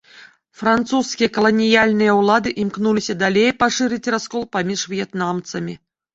Французскія каланіяльныя ўлады імкнуліся далей пашырыць раскол паміж в'етнамцамі.